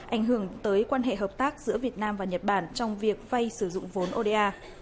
ảnh hưởng tới quan hệ hợp tác giữa việt nam và nhật bản trong việc vay sử dụng vốn oda